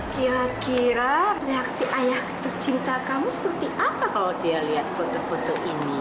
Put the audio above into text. kira kira reaksi ayah tercinta kamu seperti apa kalau dia lihat foto foto ini